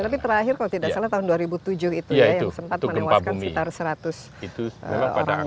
tapi terakhir kalau tidak salah tahun dua ribu tujuh itu ya yang sempat menewaskan sekitar seratus orang